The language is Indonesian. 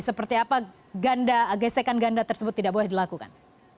seperti apa gesekan ganda tersebut tidak boleh dilakukan